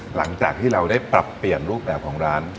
หลังจากที่เราได้ปรับเปลี่ยนรูปแบบของร้าน